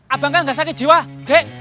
abang kan nggak sakit jiwa dek